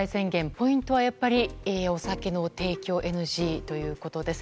ポイントは、やっぱりお酒の提供ＮＧということです。